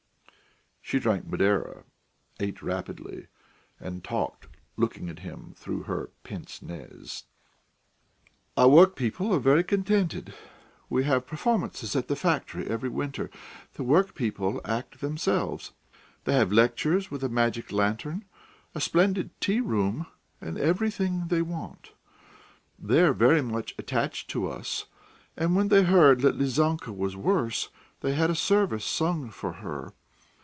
She drank Madeira, ate rapidly, and talked, looking at him through her pince nez: "Our workpeople are very contented. We have performances at the factory every winter; the workpeople act themselves. They have lectures with a magic lantern, a splendid tea room, and everything they want. They are very much attached to us, and when they heard that Lizanka was worse they had a service sung for her.